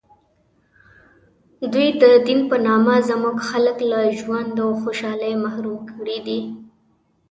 دوی د دین په نامه زموږ خلک له ژوند و خوشحالۍ محروم کړي دي.